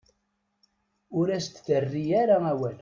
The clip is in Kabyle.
Ur as-d-terri ara awal.